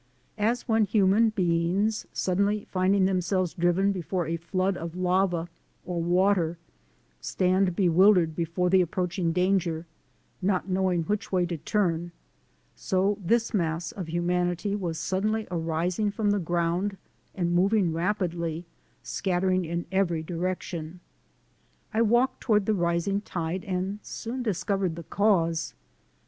As when human beings, suddenly finding themselves driven before a flood of lava or water, stand bewildered before the ap proaching danger, not knowing which way to turn; so this mass of humanity was suddenly arising from the ground and moving rapidly, scattering in every direction. I walked toward the rising tide and soon discovered the cause!